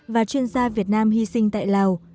và chuyên gia việt nam hy sinh tại lào